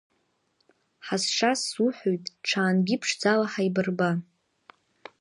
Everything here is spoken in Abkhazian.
Ҳазшаз суҳәоит, ҽаангьы ԥшӡала ҳаибарба!